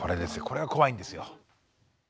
これが怖いんですよ。